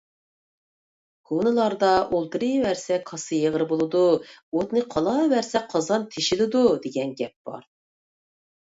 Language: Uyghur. كونىلاردا: «ئولتۇرۇۋەرسە كاسا يېغىر بولىدۇ! ئوتنى قالاۋەرسە قازان تېشىلىدۇ» دېگەن گەپ بار.